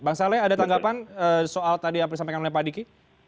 bang saleh ada tanggapan soal tadi apa disampaikan oleh pak diki